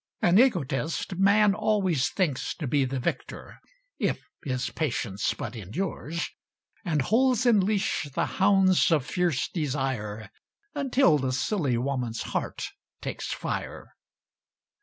(An egotist, man always thinks to be The victor, if his patience but endures, And holds in leash the hounds of fierce desire, Until the silly woman's heart takes fire.)